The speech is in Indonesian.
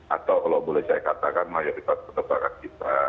atau kalau boleh saya katakan mayoritas penerbangan kita